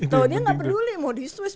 tau dia gak peduli mau di swiss